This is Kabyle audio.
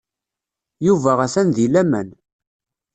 Yuba atan di laman.